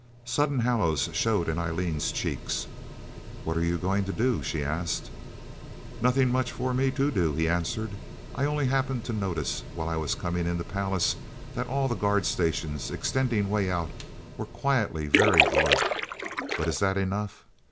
Sudden hollows showed in Eileen's cheeks. "What are you going to do?" she asked. "Nothing much for me to do," he answered. "I only happened to notice, while I was coming in to Pallas, that all the guard stations, extending way out, were quietly very alert. But is that enough?